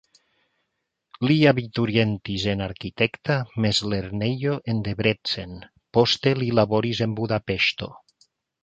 Li abiturientis en arkitekta mezlernejo en Debrecen, poste li laboris en Budapeŝto.